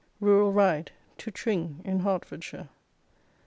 RURAL RIDE: TO TRING, IN HERTFORDSHIRE.